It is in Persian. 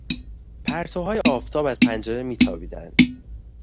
پرتوهای آفتاب از پنجره میتابیدند.